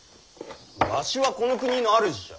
わしはこの国の主じゃ。